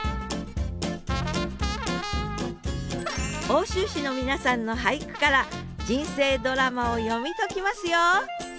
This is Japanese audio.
奥州市の皆さんの俳句から人生ドラマを読み解きますよ！